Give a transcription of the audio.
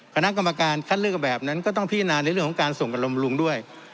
คณะกรรมการคัดเลือกกับแบบนั้นก็ต้องพี่นานในเรื่องของการส่งการลำบำรุงด้วย